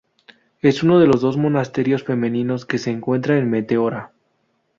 Es uno de los dos monasterios femeninos que se encuentran en Meteora.